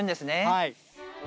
はい。